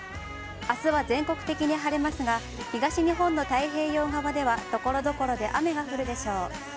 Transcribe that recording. あすは全国的に晴れますが、東日本の太平洋側では、ところどころで雨が降るでしょう。